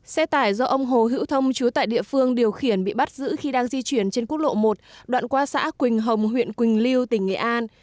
xe tải do ông hồ hữu thông chú tại địa phương điều khiển bị bắt giữ khi đang di chuyển trên quốc lộ một đoạn qua xã quỳnh hồng huyện quỳnh lưu tỉnh nghệ an